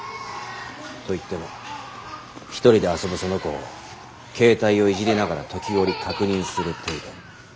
といっても一人で遊ぶその子を携帯をいじりながら時折確認する程度。